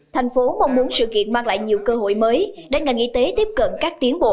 thành phố mong muốn sự kiện mang lại nhiều cơ hội mới để ngành y tế tiếp cận các tiến bộ